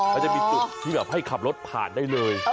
เขาจะมีจุดที่แบบให้ขับรถผ่านได้เลย